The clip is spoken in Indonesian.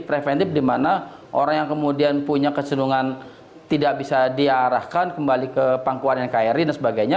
preventif dimana orang yang kemudian punya kecendungan tidak bisa diarahkan kembali ke pangkuan nkri dan sebagainya